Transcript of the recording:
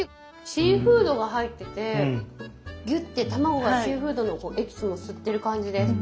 シーフードが入っててぎゅって卵がシーフードのエキスを吸ってる感じです。